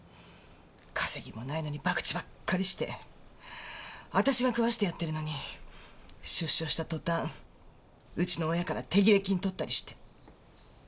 稼ぎもないのに博打ばっかりして私が食わしてやってるのに出所した途端うちの親から手切れ金取ったりして。